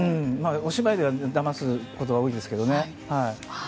お芝居ではだますことは多いですけどね。